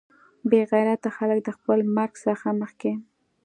بې غیرته خلک د خپل مرګ څخه مخکې.